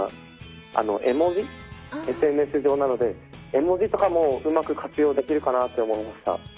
ＳＮＳ上なので絵文字とかもうまく活用できるかなって思いました。